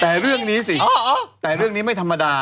แต่เรื่องนี้สิแต่เรื่องนี้ไม่ธรรมดา